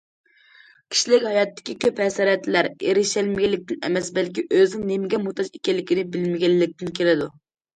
كىشىلىك ھاياتتىكى كۆپ ھەسرەتلەر ئېرىشەلمىگەنلىكتىن ئەمەس، بەلكى ئۆزىنىڭ نېمىگە موھتاج ئىكەنلىكىنى بىلمىگەنلىكتىن كېلىدۇ.